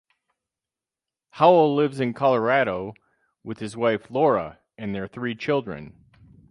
Howell lives in Colorado with his wife, Laura, and their three children.